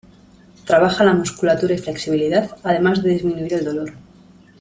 Trabaja la musculatura y flexibilidad, además de disminuir el dolor.